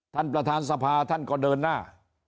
ท่านประธานสภาท่านก็เดินหน้า